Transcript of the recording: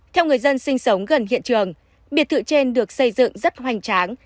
theo người dân sinh sống gần hiện trường biệt thự trên được xây dựng rất hoành tráng